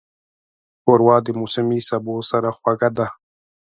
ښوروا د موسمي سبو سره خوږه ده.